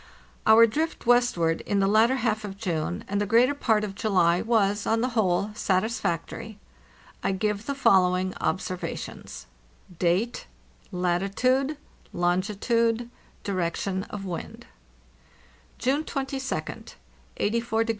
Our drift westward in the latter half of June and the greater part of July was, on the whole, satisfactory. I give the following observations: DATE | LATITUDE LONGITUDE sa ly i JMNeEZ20e ee a G!